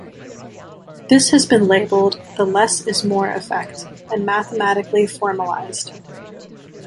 This has been labeled the "less-is-more effect" and mathematically formalized.